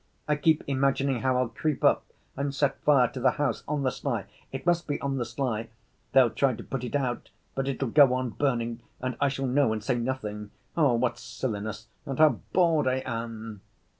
I keep imagining how I'll creep up and set fire to the house on the sly; it must be on the sly. They'll try to put it out, but it'll go on burning. And I shall know and say nothing. Ah, what silliness! And how bored I am!"